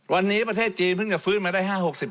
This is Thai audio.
วันนี้ประเทศจีนเพิ่งจะฟื้นมาได้๕๖ปี